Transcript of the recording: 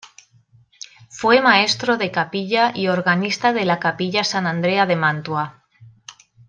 Fue maestro de capilla y organista de la capilla San Andrea de Mantua.